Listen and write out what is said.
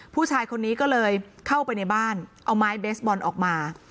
ผู้ชายคนนี้ก็เลยเข้าไปในบ้านเอาไม้เบสบอลออกมา